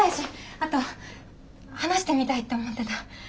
あと話してみたいって思ってた。